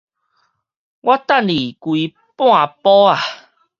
我等你規半晡矣